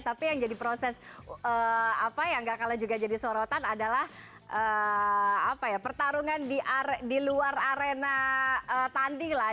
tapi yang jadi proses apa yang gak kalah juga jadi sorotan adalah pertarungan di luar arena tanding lah